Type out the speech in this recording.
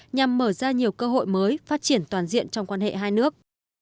nhằm mở ra nhiều cơ hội mới phát triển toàn diện trong quan hệ hai nước